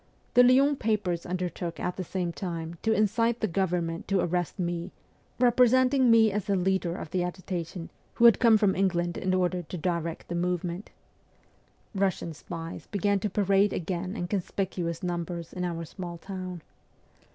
The Lyons papers undertook at the same time to incite the WESTERN EUROPE 261 government to arrest me, representing me as the leader of the agitation, who had come from England in order to direct the movement. Russian spies began to parade again in conspicuous numbers in our small town.